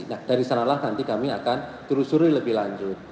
nah dari sanalah nanti kami akan telusuri lebih lanjut